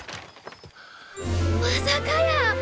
まさかやー！